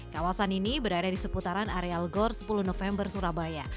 kawasan ini berada di seputaran areal gor sepuluh november surabaya